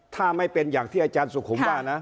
ถ้าไม่เป็นอย่างที่อาจารย์สุขุมว่านะ